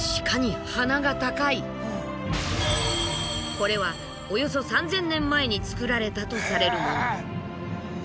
これはおよそ３，０００年前に作られたとされるもの。